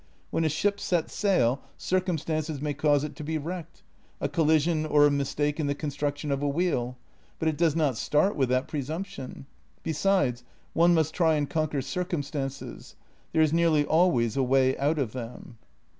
"When a ship sets sail, circumstances may cause it to be wrecked — a collision or a mistake in the construction of a wheel — but it does not start with that pre sumption. Besides, one must try and conquer circumstances; there is nearly always a way out of them."